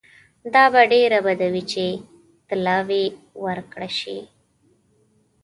دا به ډېره بده وي چې طلاوي ورکړه شي.